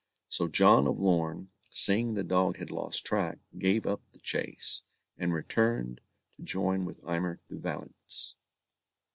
So, John of Lorn, seeing the dog had lost track, gave up the chase, and returned to join with Aymer de Valence.